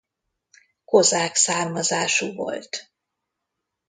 Kozák származású volt.